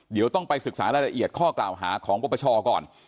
เดี๋ยวต้องไปศึกษารายละเอียดข้อกล่าวหาของปปชก่อน